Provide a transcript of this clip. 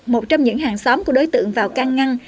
một trong những hàng xóm của đối tượng vào can ngăn